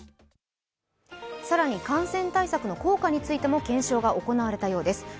更に感染対策の効果についても検証が行われたようです。